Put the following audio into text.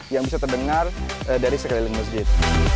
yang bisa terdengar dari sekeliling masjid